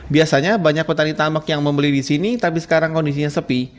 biasanya banyak petani tamek yang membeli di sini tapi sekarang kondisinya sepi